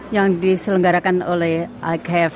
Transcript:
yang diselenggarakan oleh ikf